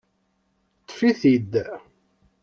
Ṭṭfet-t-id!